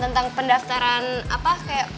tentang pendaftaran apa kayak